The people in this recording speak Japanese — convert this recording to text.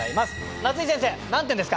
夏井先生何点ですか？